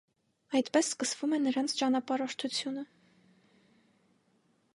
Այդպես սկսվում է նրանց ճանապարհորդությունը։